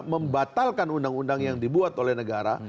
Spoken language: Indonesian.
membatalkan undang undang yang dibuat oleh negara